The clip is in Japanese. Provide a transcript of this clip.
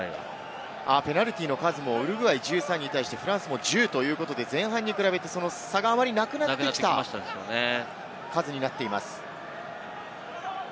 ペナルティーの数もウルグアイ１３に対し、フランスも１０ということで前半に比べて差があまりなくなってきた数になっています。